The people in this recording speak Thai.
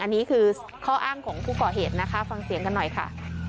อันนี้คือข้ออ้างของผู้ก่อเหตุนะคะฟังเสียงกันหน่อยค่ะ